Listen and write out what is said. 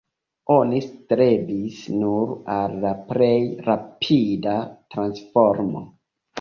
Oni strebis nur al la plej rapida transformo.